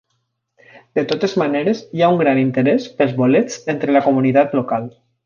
De totes maneres, hi ha un gran interès pels bolets entre la comunitat local.